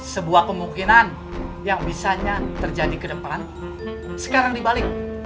sebuah kemungkinan yang bisanya terjadi ke depan sekarang dibalik